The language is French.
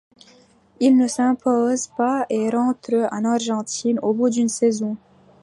Il ne s'y impose pas et rentre en Argentine au bout d'une saison.